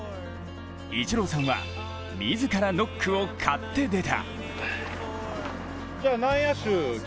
イチローさんは自らノックを買って出た。